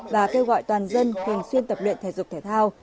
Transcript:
và kêu gọi toàn dân thường xuyên tập luyện thể dục thể thao